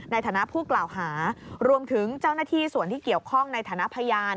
ในฐานะผู้กล่าวหารวมถึงเจ้าหน้าที่ส่วนที่เกี่ยวข้องในฐานะพยาน